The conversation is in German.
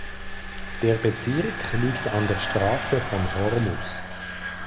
Der Bezirk liegt an der Straße von Hormus.